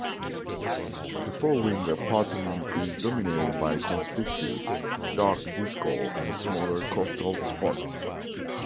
The forewing patterning is dominated by a conspicuous, dark discal and smaller costal spots.